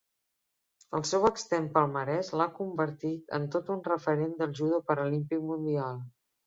El seu extens palmarès l'ha convertit en tot un referent del judo paralímpic mundial.